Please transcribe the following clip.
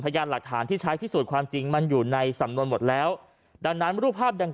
พยานหลักฐานที่ใช้พิสูจน์ความจริงมันอยู่ในสำนวนหมดแล้วดังนั้นรูปภาพดัง